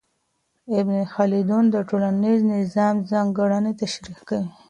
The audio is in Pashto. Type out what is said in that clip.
ابن خلدون د ټولنیز نظام ځانګړنې تشریح کوي.